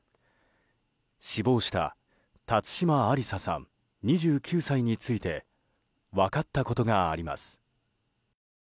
死亡した辰島ありささん、２９歳について分かったことがあります。